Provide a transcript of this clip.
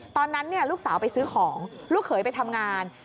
ตอนนั้นลูกสาวไปซื้อของลูกเขยไปทำงาน